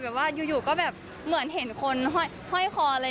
แบบว่าอยู่ก็เหมือนเห็นคนห้อยคออะไรอย่างนี้